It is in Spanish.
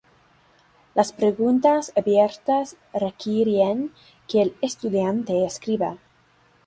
Las preguntas abiertas requieren que el estudiante escriba.